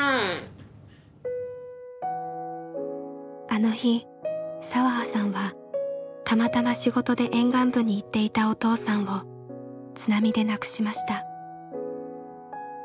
あの日彩葉さんはたまたま仕事で沿岸部に行っていたお父さんを津波で亡くしました。